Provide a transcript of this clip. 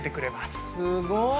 すごーい！